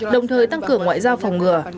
đồng thời tăng cường ngoại giao phòng ngừa